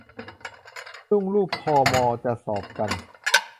ถึงลูกพอมอจะสอบกัน